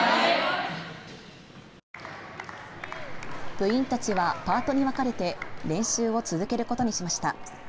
部員たちはパートに分かれて練習を続けることにしました。